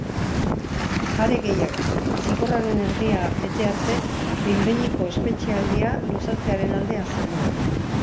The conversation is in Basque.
Are gehiago, zigorraren erdia bete arte behin-behineko espetxealdia luzatzearen alde azaldu da.